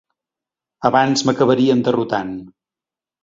Abans m'acabarien derrotant.